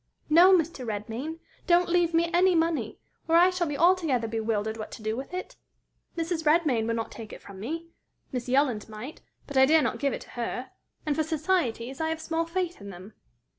No, Mr. Redmain! don't leave me any money, or I shall be altogether bewildered what to do with it. Mrs. Redmain would not take it from me. Miss Yolland might, but I dared not give it to her. And for societies, I have small faith in them."